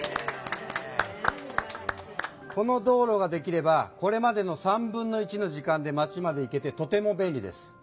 この道路ができればこれまでの３分の１の時間で町まで行けてとても便利です。